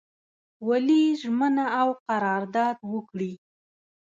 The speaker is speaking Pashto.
ولي ژمنه او قرارداد وکړي.